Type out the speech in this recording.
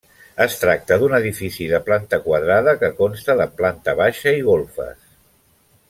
Es tracta d'un edifici de planta quadrada que consta de planta baixa i golfes.